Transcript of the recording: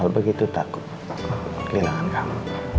al begitu takut kelilangan kamu